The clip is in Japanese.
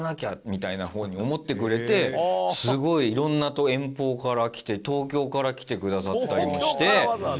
みたいな方に思ってくれてすごいいろんな遠方から来て東京から来てくださったりもして２０００